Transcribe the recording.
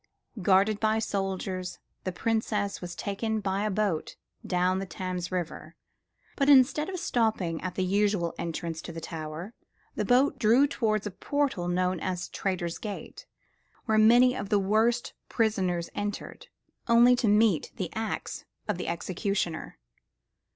Guarded by soldiers, the Princess was taken on a boat down the Thames River; but instead of stopping at the usual entrance to the Tower, the boat drew towards a portal known as "Traitor's Gate," where many of the worst prisoners entered, only to meet the axe of the executioner.